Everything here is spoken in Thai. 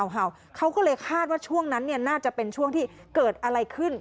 เห่าเขาก็เลยคาดว่าช่วงนั้นเนี่ยน่าจะเป็นช่วงที่เกิดอะไรขึ้น